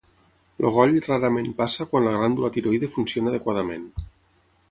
El goll rarament passa quan la glàndula tiroide funciona adequadament.